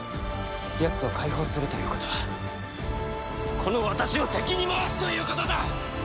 やつを解放するということはこの私を敵に回すということだ！